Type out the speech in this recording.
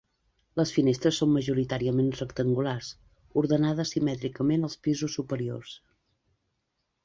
Les finestres són majoritàriament rectangulars, ordenades simètricament als pisos superiors.